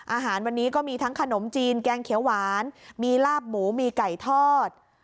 อาหารวันนี้ก็มีทั้งขนมจีนแกงเขียวหวานมีลาบหมูมีไก่ทอด